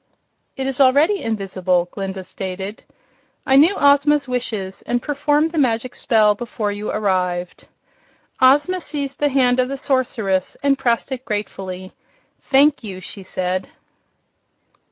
"It is already invisible," Glinda stated. "I knew Ozma's wishes, and performed the Magic Spell before you arrived." Ozma seized the hand of the Sorceress and pressed it gratefully. "Thank you!" she said.